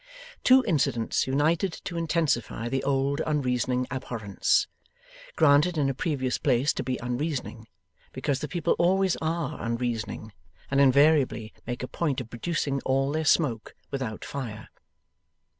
Two incidents united to intensify the old unreasoning abhorrence granted in a previous place to be unreasoning, because the people always are unreasoning, and invariably make a point of producing all their smoke without fire.